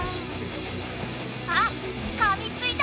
あっかみついた！